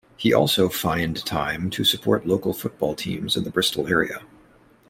He also find time to support local football teams in the Bristol area.